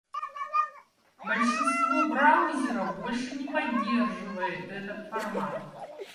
Большинство браузеров больше не поддерживает этот формат.